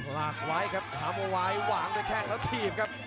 วางไว้ครับขาวมัวไว้วางไปแค่งแล้วทีบครับ